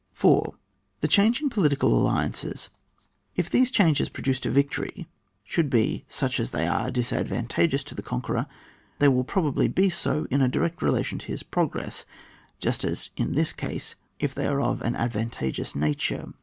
4. The change in political alliances. If these changes, produced by a victory, should be such as are disadvantageous to the conqueror, they will probably be so in a direct relation to his progress, just as is the case if they are of an advan tageous nature.